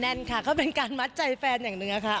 แน้นค่ะเค้าเป็นการมัดใจแฟนอย่างนึงค่ะ